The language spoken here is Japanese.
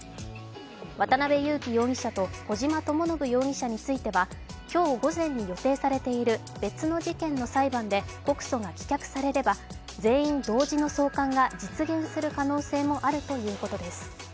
渡辺優樹容疑者と小島智信容疑者については今日午前に予定されている別の事件の裁判で告訴が棄却されれば全員同時の送還が実現する可能性もあるということです。